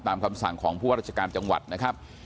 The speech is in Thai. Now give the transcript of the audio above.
คำสั่งของผู้ว่าราชการจังหวัดนะครับ